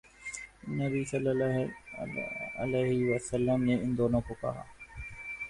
نبی صلی اللہ علیہ وسلم نے ان دونوں کو کہا